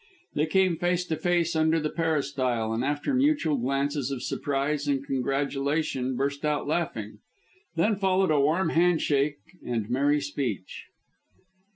They came face to face under the peristyle, and after mutual glances of surprise and congratulation burst out laughing. Then followed a warm handshake and merry speech.